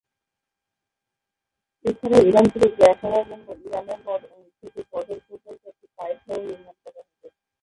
এছাড়া ইরান থেকে গ্যাস আনার জন্য ইরান-এর থেকে গদর পর্যন্ত একটি পাইপ লাইন নির্মাণ করা হবে।